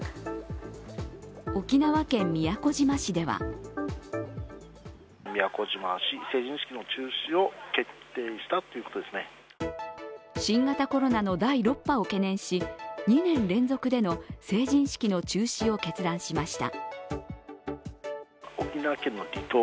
沖縄県宮古島市では新型コロナの第６波を懸念し、２年連続での成人式の中止を決断しました。